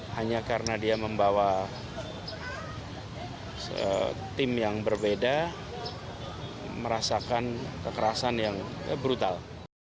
hanya karena dia membawa tim yang berbeda merasakan kekerasan yang brutal